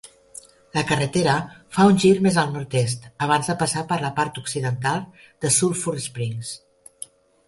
La carretera fa un gir més al nord-est abans de passar per la part occidental de Sulphur Springs.